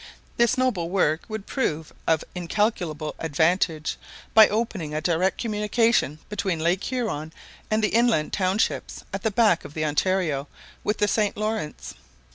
This noble work would prove of incalculable advantage, by opening a direct communication between Lake Huron and the inland townships at the back of the Ontario with the St. Laurence.